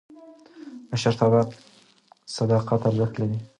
د مشرتابه صداقت ارزښت لري